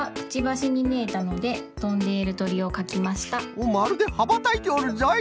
おっまるではばたいておるぞい！